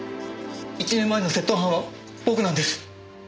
１年前の窃盗犯は僕なんです！